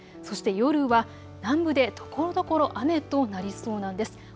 そして夜は南部でところどころ雨となりそうなんです。